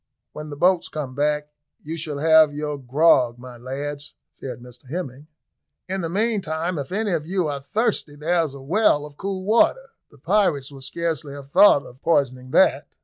"When the boats come back, you shall have your grog, my lads," said Hemming; "in the meantime, if any of you are thirsty, there's a well of cool water. The pirates will scarcely have thought of poisoning that."